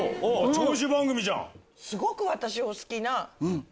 長寿番組じゃん！